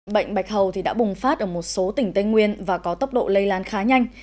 bệnh bạch hầu đã bùng phát ở một số tỉnh tây nguyên và có tốc độ lây lan khá nhanh